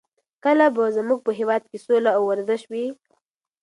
کله به زموږ په هېواد کې سوله او ورزش وي؟